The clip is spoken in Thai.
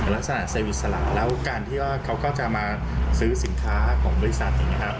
แล้วการที่เขาก็จะมาซื้อสินค้าของบริษัท